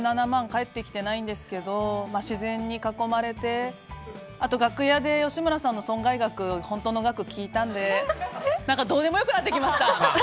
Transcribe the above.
返ってきてないんですけども自然に囲まれてあと、楽屋で吉村さんの損害額本当の額を聞いたのでどうでもよくなってきました！